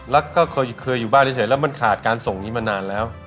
แล้วก็เคยอยู่บ้านเฉยแล้วมันขาดการส่งนี้มานานแล้ว